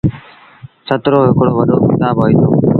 سهت روهڪڙو وڏو ڪتآب هوئيٚتو۔